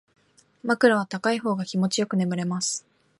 枕は高い方が気持ちよく眠れます